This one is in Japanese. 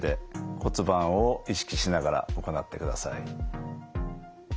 骨盤を意識しながら行ってください。